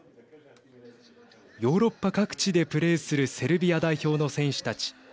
ヨーロッパ各地でプレーするセルビア代表の選手たち。